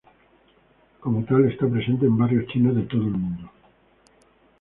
Como tal, está presente en barrios chinos de todo el mundo.